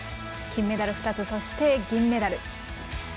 金メダル２つ、そして銀メダル。